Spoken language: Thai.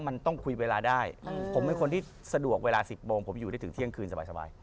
มันต้องคุยเวลาได้ผมเป็นคนที่สะดวกเวลา๑๐โมงผมอยู่ได้ถึงเที่ยงคืนสบาย